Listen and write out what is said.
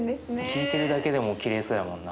聞いてるだけでもきれいそうやもんな。